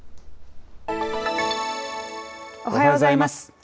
おはようございます。